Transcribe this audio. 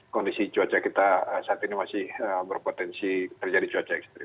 kondisi cuaca kita saat ini masih berpotensi terjadi cuaca ekstrim